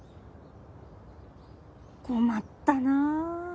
困ったな。